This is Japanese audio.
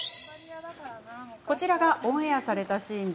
こちらがオンエアされたシーン。